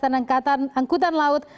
dan angkutan laut